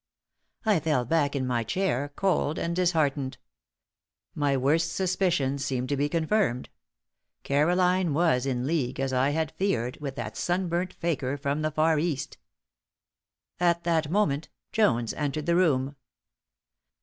I fell back in my chair, cold and disheartened. My worst suspicions seemed to be confirmed. Caroline was in league, as I had feared, with that sunburnt fakir from the Far East! At that moment, Jones entered the room.